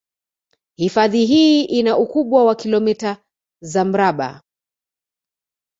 Hifadhi hii ina ukubwa wa kilometa za mraba